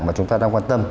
mà chúng ta đang quan tâm